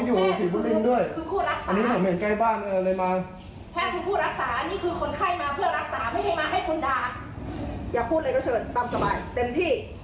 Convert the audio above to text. อย่าพูดเลยก็เชิญตั้มสบายเต็มที่